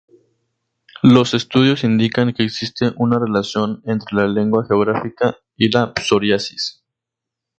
Los estudios indican que existe una relación entre la lengua geográfica y la psoriasis.